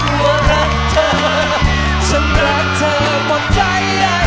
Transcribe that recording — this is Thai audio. กลัวรักเธอฉันรักเธอหมดใจ